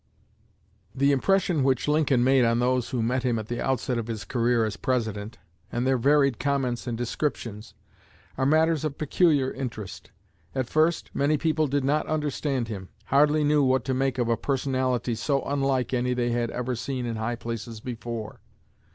'" The impression which Lincoln made on those who met him at the outset of his career as President, and their varied comments and descriptions, are matters of peculiar interest. At first, many people did not understand him hardly knew what to make of a personality so unlike any they had ever seen in high places before.